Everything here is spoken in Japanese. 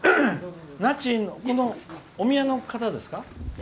那智のお宮の方ですか？